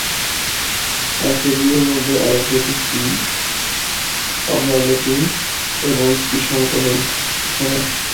Hash টেবিলের মধ্যে একাধিক কী, ওভারল্যাপিং কী এবং কী সংকোচন সমর্থিত।